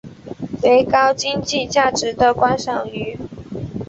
为高经济价值的观赏鱼。